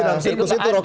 dalam sirkus itu rocky